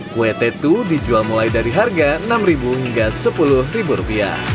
kue tetu dijual mulai dari harga rp enam hingga rp sepuluh